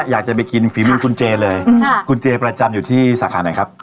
อยากจะไปกินฝีมือคุณเจเลยคุณเจประจำอยู่ที่สาขาไหนครับ